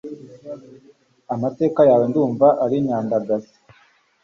amateka yawe ndumva ari nyandagazi